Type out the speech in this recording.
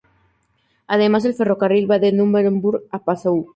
Además el ferrocarril va de Núremberg a Passau.